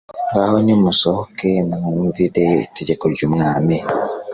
ngaho nimusohoke, mwumvire itegeko ry'umwami